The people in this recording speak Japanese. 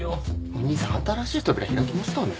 お義兄さん新しい扉開きましたね。